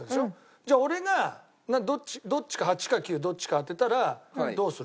じゃあ俺がどっちか８か９どっちか当てたらどうする？